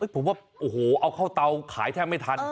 ผมว่าโอ้โหเอาเข้าเตาขายแทบไม่ทัน